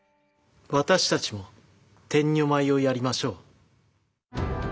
私たちも天女舞をやりましょう。